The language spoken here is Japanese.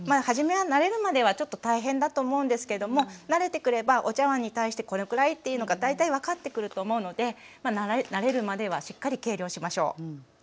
初めは慣れるまではちょっと大変だと思うんですけども慣れてくればお茶わんに対してこれくらいっていうのが大体分かってくると思うので慣れるまではしっかり計量しましょう。